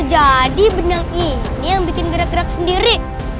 jadi benang ini yang bikin gerak gerak sendiri